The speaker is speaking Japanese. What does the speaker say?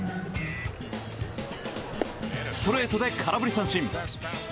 ストレートで空振り三振！